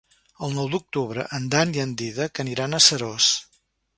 El nou d'octubre en Dan i en Dídac aniran a Seròs.